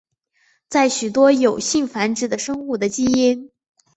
在许多有性繁殖的生物的基因。